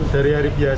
dari hari biasa